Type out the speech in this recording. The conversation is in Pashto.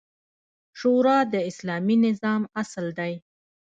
شورا د اسلامي نظام اصل دی